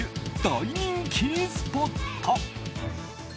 大人気スポット。